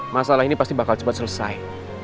masalah ini pasti bakal cepat selesai